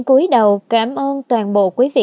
cuối đầu cảm ơn toàn bộ quý vị